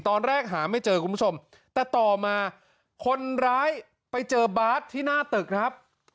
ตอนแรกหาไม่เจอคุณผู้ชมแต่ต่อมาคนร้ายไปเจอบาร์ดที่หน้าตึกครับ